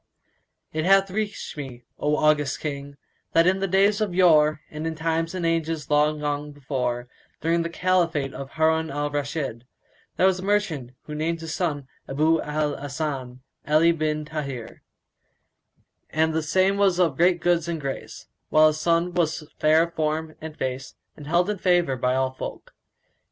It hath reached me, O august King, that in days of yore and in times and ages long gone before, during the Caliphate of Harun al Rashid, there was a merchant who named his son Abú al Hasan[FN#174] Ali bin Táhir; and the same was great of goods and grace, while his son was fair of form and face and held in favour by all folk.